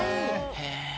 へえ。